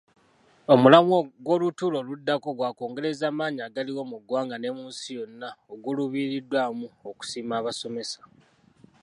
Omulamwa gw'olutuula oluddako gwa kwongereza maanyi agaliwo mu ggwanga ne mu nsi yonna oguluubiriddwamu okusiima basomesa.